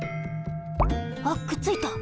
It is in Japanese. あっくっついた。